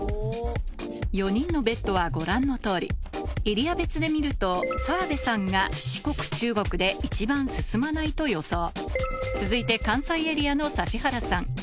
４人のＢＥＴはご覧のとおりエリア別で見ると澤部さんが四国・中国で一番進まないと予想続いて関西エリアの指原さん